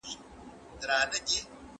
هغوی به د عدالت لپاره کار کوي.